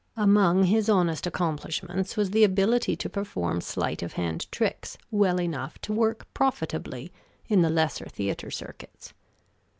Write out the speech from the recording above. Among his honest accomplishments was the ability to perform sleight of hand tricks well enough to work profitably in the lesser theater circuits.